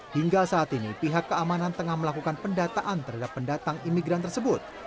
hingga saat ini pihak keamanan tengah melakukan pendataan terhadap pendatang imigran tersebut